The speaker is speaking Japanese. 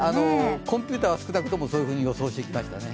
コンピューターは少なくともそういふうに予想してきましたね。